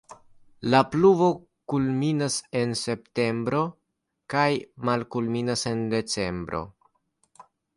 La pluvo kulminas en septembro kaj malkulminas en decembro.